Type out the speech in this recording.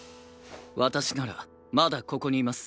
私ならまだここにいます。